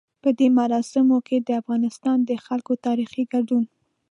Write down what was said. په دې مراسمو کې د افغانستان د خلکو تاريخي ګډون.